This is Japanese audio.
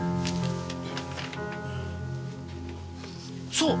そう！